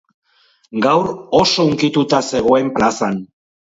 Gaur oso hunkituta zegoen plazan.